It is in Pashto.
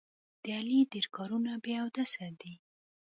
د علي ډېر کارونه بې اودسه دي.